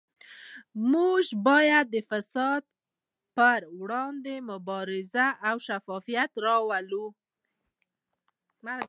موږ باید د فساد پروړاندې مبارزه او شفافیت راوړو